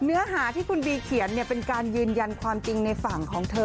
เนื้อหาที่คุณบีเขียนเป็นการยืนยันความจริงในฝั่งของเธอ